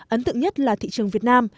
ấn tượng nhất là thị trường việt nam